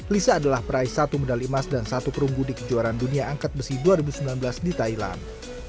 lisa adalah peraih satu medali emas dan satu perumbu di kejuaraan dunia angkat besi dua ribu sembilan belas di thailand